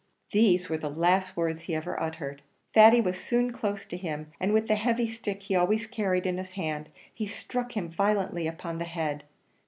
These were the last words he ever uttered. Thady was soon close to him, and with the heavy stick he always carried in his hand, he struck him violently upon the head.